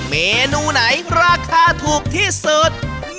เมนูไหนราคาถูกที่สุด